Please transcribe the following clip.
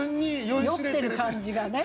酔ってる感じがね。